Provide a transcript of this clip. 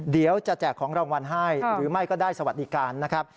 เดี๋ยวจะแจกของรางวัลให้หรือไม่ก็ได้สวัสดีกันนะครับ